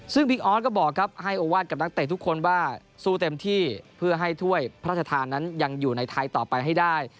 ซึ่งบิ๊กออสก็บอกครับให้โอวาสกับนักเตะทุกคนว่าสู้เต็มที่เพื่อให้ถ้วยพระราชทานนั้นยังอยู่ในไทยต่อไปให้ได้